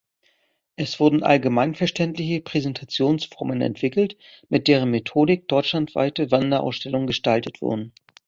Es wurden allgemeinverständliche Präsentationsformen entwickelt, mit deren Methodik deutschlandweite Wanderausstellungen gestaltet wurden.